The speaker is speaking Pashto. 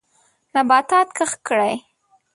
نباتات کښت کړئ.